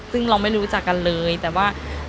ซึ่งเราไม่รู้จักกันเลยแต่ว่า